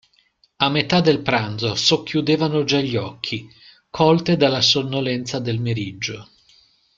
A metà del pranzo socchiudevano già gli occhi, colte dalla sonnolenza del meriggio.